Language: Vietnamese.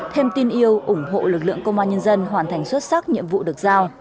thêm tin yêu ủng hộ lực lượng công an nhân dân hoàn thành xuất sắc nhiệm vụ được giao